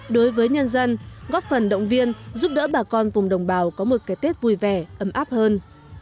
đối với nhân dân góp phần động viên giúp đỡ bà con vùng đồng bào có một cái tết vui vẻ ấm áp hơn